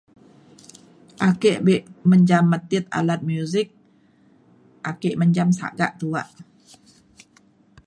Ake bek mejam metit alat music ake mejam sagak tua'.